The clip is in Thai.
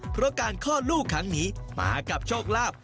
เพราะการคลอดลูกครั้งนี้มากับโชคลาภ